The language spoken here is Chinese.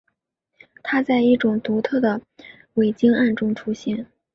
它在一种独特的伟晶岩中出现。